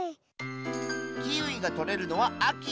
キウイがとれるのはあき。